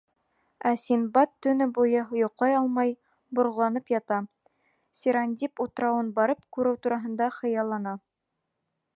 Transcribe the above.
Ә Синдбад төнө буйы йоҡлай алмай борғоланып ята, Сирандип утрауын барып күреү тураһында хыяллана.